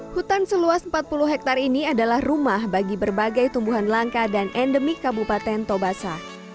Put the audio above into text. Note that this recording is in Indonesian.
hutan seluas empat puluh hektare ini adalah rumah bagi berbagai tumbuhan langka dan endemik kabupaten tobasa